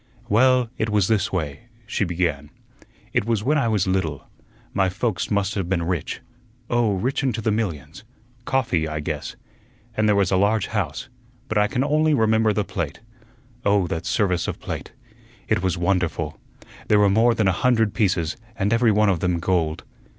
"Well, it was this way," she began. "It was when I was little. My folks must have been rich, oh, rich into the millions coffee, I guess and there was a large house, but I can only remember the plate. Oh, that service of plate! It was wonderful. There were more than a hundred pieces, and every one of them gold.